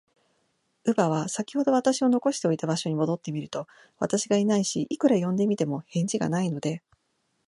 乳母は、さきほど私を残しておいた場所に戻ってみると、私がいないし、いくら呼んでみても、返事がないので、